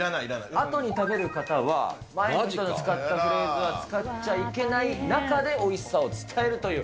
あとに食べる方は前の方が使ったフレーズは使っちゃいけない中で、おいしさを伝えるという。